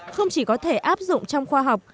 không chỉ có thể áp dụng trong khoa học